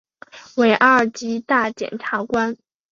为二级大检察官。